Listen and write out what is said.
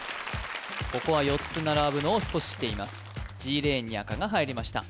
ここは４つ並ぶのを阻止していますＧレーンに赤が入りました